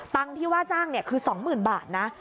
ตังค์ที่ว่าจ้างคือ๒๐๐๐๐บาทนะ